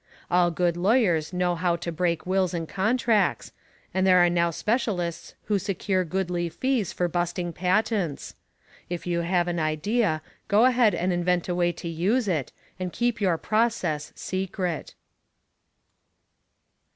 All good lawyers know how to break wills and contracts, and there are now specialists who secure goodly fees for busting patents. If you have an idea, go ahead and invent a way to use it and keep your process secret."